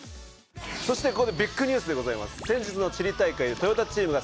そしてここでビッグニュースでございます。